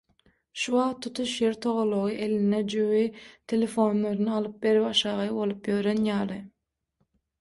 Şu wagt tutuş ýer togalagy eline jübi telefonlaryny alyp ber-başagaý bolup ýören ýaly.